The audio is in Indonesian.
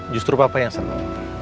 justru papa yang sama